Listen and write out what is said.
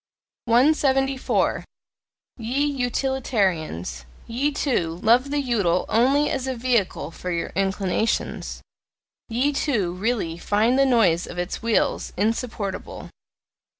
174. Ye Utilitarians ye, too, love the UTILE only as a VEHICLE for your inclinations, ye, too, really find the noise of its wheels insupportable!